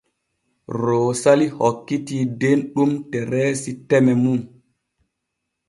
Roosali hokkitii Denɗum Tereesi teme mum.